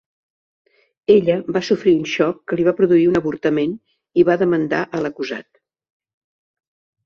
Ella va sofrir un xoc que li va produir un avortament, i va demandar a l"acusat.